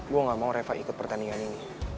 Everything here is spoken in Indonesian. gue gak mau reva ikut pertandingan ini